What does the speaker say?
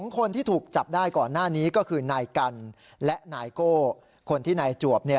คนที่ถูกจับได้ก่อนหน้านี้ก็คือนายกันและนายโก้คนที่นายจวบ